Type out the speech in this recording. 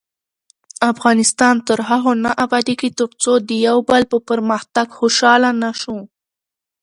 افغانستان تر هغو نه ابادیږي، ترڅو د یو بل په پرمختګ خوشحاله نشو.